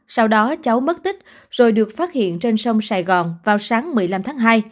sau đó cháu mất tích rồi được phát hiện trên sông sài gòn vào sáng một mươi năm tháng hai